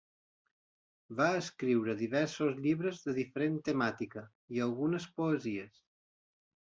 Va escriure diversos llibres de diferent temàtica i algunes poesies.